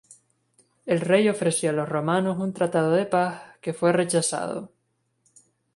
El rey ofreció a los romanos un tratado de paz que fue rechazado.